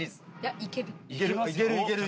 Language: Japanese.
いける？